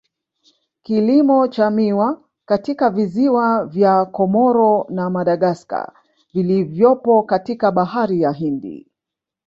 Kilimo cha miwa katika visiwa vya Comoro na Madagascar vilivyopo katika bahari ya Hindi